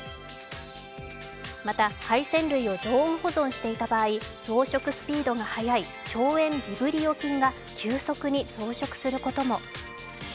また、海鮮類を常温保存していた場合増殖スピードが早い腸炎ビブリオ菌が急速に増殖することも。